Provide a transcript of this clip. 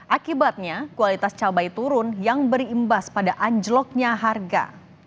akibatnya kualitas cabai turun yang berimbas pada anjloknya harga